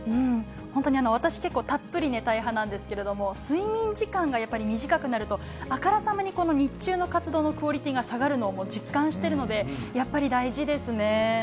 本当に私、結構たっぷり寝たい派なんですけれども、睡眠時間がやっぱり短くなると、あからさまに日中の活動のクオリティーが下がるのを実感しているので、やっぱり大事ですね。